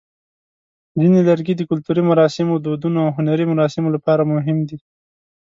ځینې لرګي د کلتوري مراسمو، دودونو، او هنري مراسمو لپاره مهم دي.